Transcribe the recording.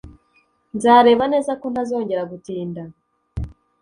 Nzareba neza ko ntazongera gutinda